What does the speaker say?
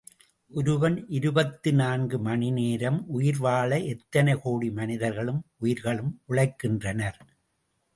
ஒருவன் இருபத்து நான்கு மணி நேரம் உயிர் வாழ எத்தனை கோடி மனிதர்களும் உயிர்களும் உழைக்கின்றனர்.